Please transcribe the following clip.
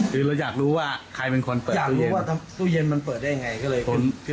คือเราอยากรู้ว่าใครเป็นคนเปิดอยากรู้ว่าตู้เย็นมันเปิดได้ยังไงก็เลยค้นคือ